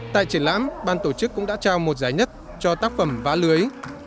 tại triển lãm ban tổ chức cũng đã trao một giải nhất cho tác phẩm vá lưới